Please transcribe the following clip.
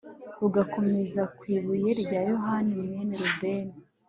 rugakomeza ku ibuye rya bohani mwene rubeni